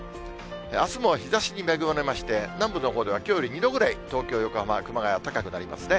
あすも日ざしに恵まれまして、南部のほうではきょうより２度ぐらい東京、横浜、熊谷、高くなりますね。